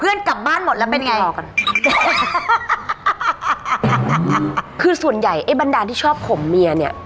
กลับบ้านหมดแล้วเป็นไงคือส่วนใหญ่ไอ้บันดาลที่ชอบข่มเมียเนี่ย